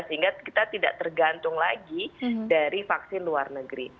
sehingga kita tidak tergantung lagi dari vaksin luar negeri